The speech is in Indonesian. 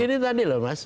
ini tadi loh mas